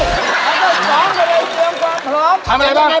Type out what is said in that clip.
แล้วก็สองจะได้เตรียมความพร้อม